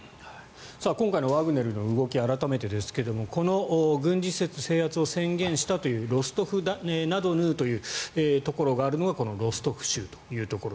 今回のワグネルの動き改めてですがこの軍事施設制圧を宣言したというロストフナドヌーというところがあるのがこのロストフ州というところ。